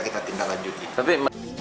tidak akan tinggal lagi